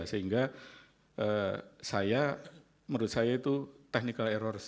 sehingga saya menurut saya itu technical error